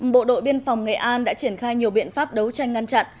bộ đội biên phòng nghệ an đã triển khai nhiều biện pháp đấu tranh ngăn chặn